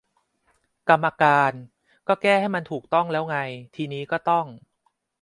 กรรมการ : ก็แก้ให้มันถูกต้องแล้วไง ทีนี้ก็ต้อง